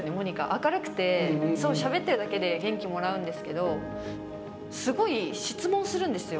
明るくてしゃべっているだけで元気をもらうんですけどすごい質問するんですよ。